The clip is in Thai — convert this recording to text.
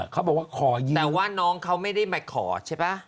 เขาบอกว่าขอยิ้มแต่ว่าน้องเขาไม่ได้มาขอใช่ป่ะ